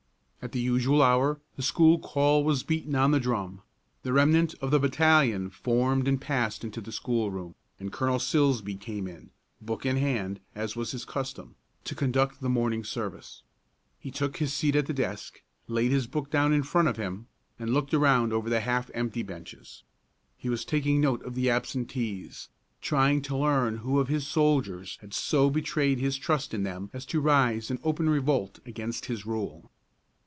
At the usual hour the school call was beaten on the drum; the remnant of the battalion formed and passed into the schoolroom, and Colonel Silsbee came in, book in hand, as was his custom, to conduct the morning service. He took his seat at the desk, laid his book down in front of him, and looked around over the half empty benches. He was taking note of the absentees, trying to learn who of his soldiers had so betrayed his trust in them as to rise in open revolt against his rule.